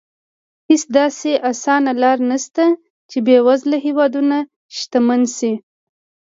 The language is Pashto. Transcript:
هېڅ داسې اسانه لار نه شته چې بېوزله هېوادونه شتمن شي.